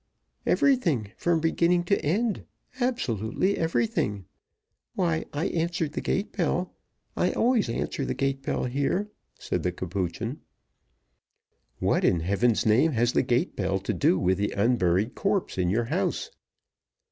"Everything, from beginning to end absolutely everything. Why, I answered the gate bell I always answer the gate bell here," said the Capuchin. "What, in Heaven's name, has the gate bell to do with the unburied corpse in your house?"